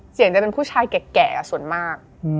จะเป็นผู้ชายแก่ส่วนมาก